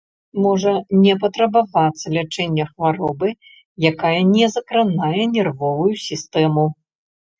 Можа не патрабавацца лячэнне хваробы, якая не закранае нервовую сістэму.